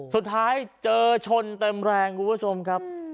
สุดท้ายเจอชนเต็มแรงครับ